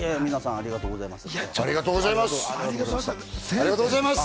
ありがとうございます。